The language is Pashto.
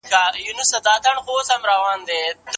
ماتې د پای ټکی نه دی.